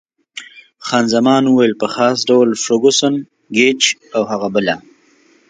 خان زمان وویل: په خاص ډول فرګوسن، ګېج او هغه بله.